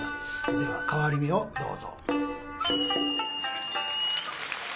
では「替り目」をどうぞ。